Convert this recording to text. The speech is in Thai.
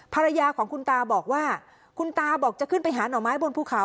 ภรรยาของคุณตาบอกว่าคุณตาบอกจะขึ้นไปหาหน่อไม้บนภูเขา